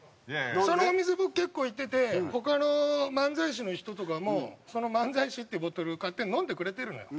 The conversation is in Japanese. そのお店僕結構行ってて他の漫才師の人とかもその「漫才師」っていうボトルを勝手に飲んでくれてるのよ。